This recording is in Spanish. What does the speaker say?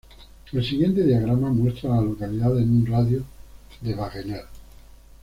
El siguiente diagrama muestra a las localidades en un radio de de Wagener.